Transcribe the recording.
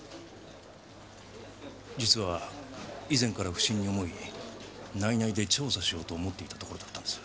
実は以前から不審に思い内々で調査しようと思っていたところだったんです。